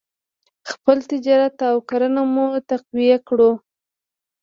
خپل تجارت او کرنه مو تقویه کړو.